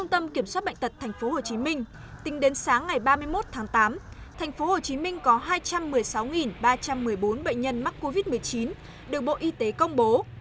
tp hcm tính đến sáng ngày ba mươi một tháng tám tp hcm có hai trăm một mươi sáu ba trăm một mươi bốn bệnh nhân mắc covid một mươi chín được bộ y tế công bố